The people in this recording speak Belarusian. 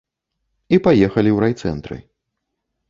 І паехалі ў райцэнтры.